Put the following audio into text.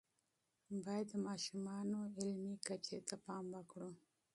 باید د ماشومانو علمی کچې ته پام وکړو.